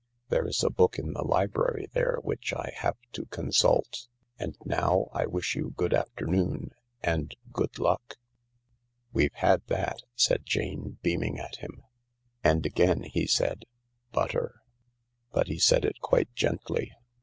There is a book in the library there which I have to consult. And now I'll wish you good afternoon, and good luck !" THE LARK 71 "We've had that," said Jane, beaming at him. And again he said, " Butter I " But he said it quite gently.